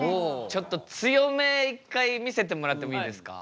ちょっと強め一回見せてもらってもいいですか？